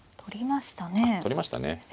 取りましたね。